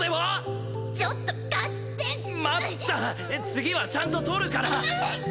次はちゃんと撮るから！